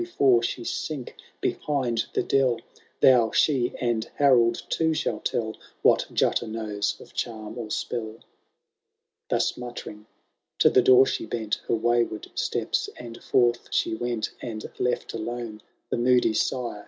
Before she sink behind the dell,) Thou, she, and Harold too, shall tell What Jutta knows of charm or spell." Thus muttering, to the door she bent Her wayward steps, and forth she went. And left alone the moody sire.